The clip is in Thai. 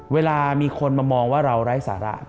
เวลามีคนมามองว่าเราไร้สาระ